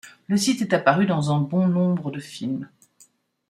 Le site est apparu dans un bon nombre de films.